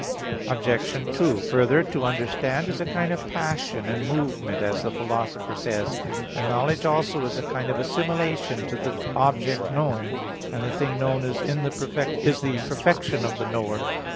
Obj. 2: Further, to understand is a kind of passion and movement, as the Philosopher says (De Anima iii); and knowledge also is a kind of assimilation to the object known; and the thing known is the perfection of the knower.